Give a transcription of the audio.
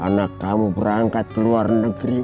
anakmu berangkat ke luar negeri